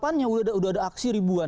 dua puluh delapan nya udah ada aksi ribuan